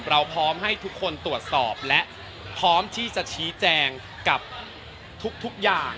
พร้อมให้ทุกคนตรวจสอบและพร้อมที่จะชี้แจงกับทุกอย่าง